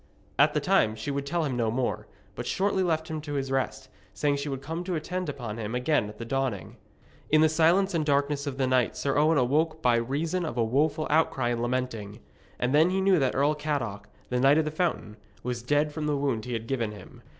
At that time she would tell him no more, but shortly left him to his rest, saying she would come to attend upon him again at the dawning. In the silence and darkness of the night Sir Owen awoke by reason of a woful outcry and lamenting; and then he knew that Earl Cadoc, the Knight of the Fountain, was dead from the wound he had given him.